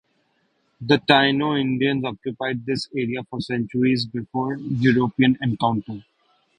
The Taino Indians occupied this area for centuries before European encounter.